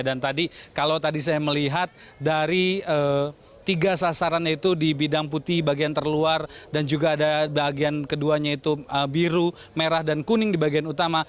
dan tadi kalau tadi saya melihat dari tiga sasaran itu di bidang putih bagian terluar dan juga ada bagian keduanya itu biru merah dan kuning di bagian utama